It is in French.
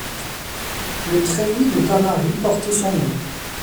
Le treillis de Tamari porte son nom.